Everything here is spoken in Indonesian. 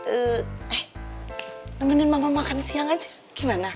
eh nemenin mama makan siang aja gimana